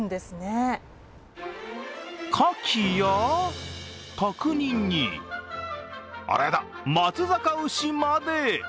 かきや角煮に、あらやだ、松阪牛まで。